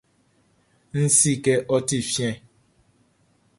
N si kɛ ɔ ti fiɛn.